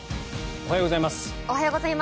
おはようございます。